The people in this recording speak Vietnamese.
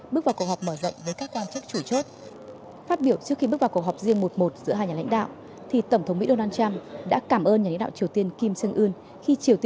bước vào cuộc họp mở rộng với các quan chức chủ chốt